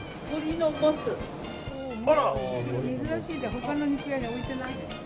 他の肉屋には置いてないです。